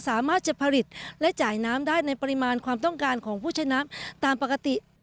สามารถจะผลิตและจ่ายน้ำได้ในปริมาณความต้องการของผู้ชนะตามปกติ